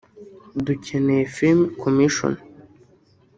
“dukeneye film commission